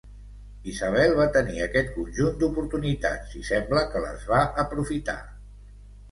Isabel va tenir aquest conjunt d'oportunitats i sembla que les va aprofitar.